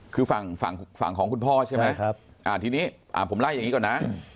คือฝั่งฝั่งของคุณพ่อใช่ไหมทีนี้ผมไล่อย่างนี้ก่อนนะ